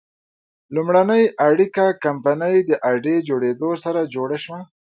لومړنۍ اړیکه کمپنۍ د اډې جوړېدو سره جوړه شوه.